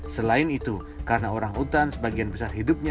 selain itu karena orang utan sebagian besar hidupnya